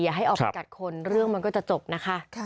ให้ออกไปกัดคนเรื่องมันก็จะจบนะคะ